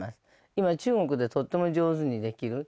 今中国でとっても上手にできる。